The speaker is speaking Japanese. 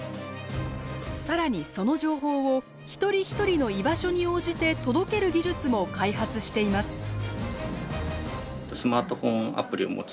更にその情報を一人一人の居場所に応じて届ける技術も開発しています。